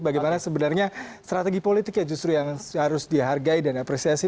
bagaimana sebenarnya strategi politik ya justru yang harus dihargai dan apresiasi